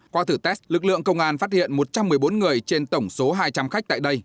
qua thử test lực lượng công an phát hiện một trăm một mươi bốn người trên tổng số hai trăm linh khách tại đây